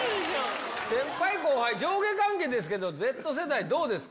先輩後輩、上下関係ですけど、Ｚ世代、どうですか？